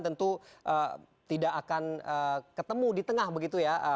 tentu tidak akan ketemu di tengah begitu ya